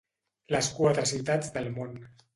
Les quatre ciutats del món.